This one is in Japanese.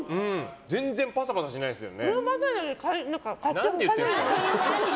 全然パサパサしないですもんね。